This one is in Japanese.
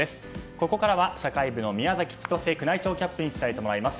ここからは社会部の宮崎千歳宮内庁キャップに伝えてもらいます。